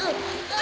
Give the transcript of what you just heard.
あ。